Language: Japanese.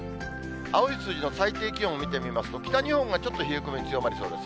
青い数字の最低気温を見てみますと、北日本がちょっと冷え込み、強まりそうです。